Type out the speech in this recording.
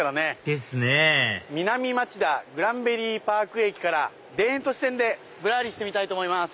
ですね南町田グランベリーパーク駅から田園都市線でぶらりしてみたいと思います。